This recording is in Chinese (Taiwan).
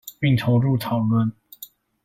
並投入討論